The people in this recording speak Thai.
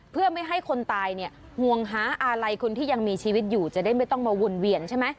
เพื่อไม่ให้คนตายเนี่ยห่วงหาอะไรคนที่ยังมีชีวิตอยู่จะได้ไม่ต้องมาวนเวียนใช่ไหม